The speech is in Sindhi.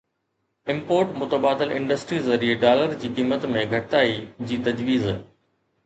امپورٽ متبادل انڊسٽري ذريعي ڊالر جي قيمت ۾ گهٽتائي جي تجويز